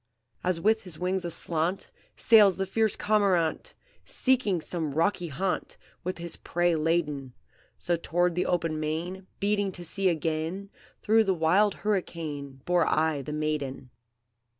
"As with his wings aslant, Sails the fierce cormorant, Seeking some rocky haunt, With his prey laden, So toward the open main, Beating to sea again, Through the wild hurricane, Bore I the maiden.